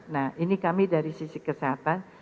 nah ini kami dari sisi kesehatan